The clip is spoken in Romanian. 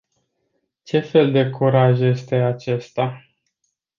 Ce fel de curaj este acesta?